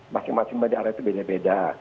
masing masing daerah itu beda beda